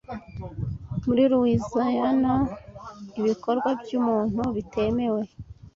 Muri Louisiana, ibikorwa byumuntu bitemewe